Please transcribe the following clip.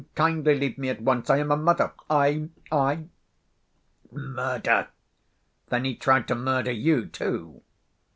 Kindly leave me at once.... I am a mother.... I ... I—" "Murder! then he tried to murder you, too?"